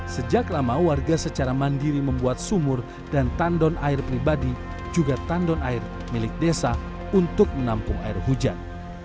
sejak lama warga secara mandiri membuat sumur dan tandon air pribadi juga tandon air milik desa untuk menampung air hujan